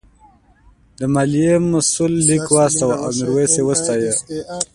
د مالیې مسوول لیک واستاوه او میرويس یې وستایه.